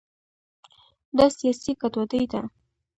دا سیاسي ګډوډي ده.